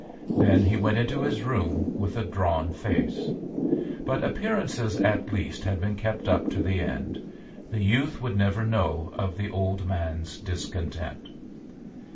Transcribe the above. Then he went into his room with a drawn face. But appearances at least had been kept up to the end; the youth would never know of the old man's discontent.